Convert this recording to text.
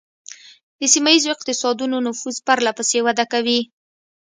د سیمه ایزو اقتصادونو نفوذ پرله پسې وده کوي